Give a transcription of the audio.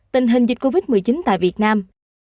tình hình dịch covid một mươi chín tại việt nam